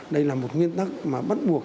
đây là một nguyên tắc mà bắt buộc